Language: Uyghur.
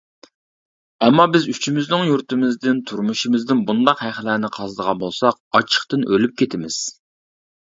ئەمما بىز ئۈچىمىزنىڭ يۇرتىمىزدىن، تۇرمۇشىمىزدىن بۇنداق ھەقلەرنى قازىدىغان بولساق، ئاچچىقتىن ئۆلۈپ كېتىمىز.